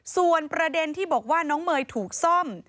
ส่วนประเด็นที่บอกว่าน้องเมย์ถูกซ่อม